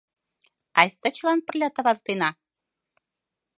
Айста чылан пырля тавалтена.